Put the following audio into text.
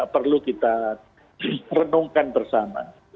perlu kita renungkan bersama